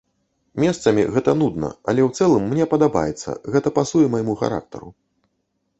Месцамі гэта нудна, але ў цэлым мне падабаецца, гэта пасуе майму характару.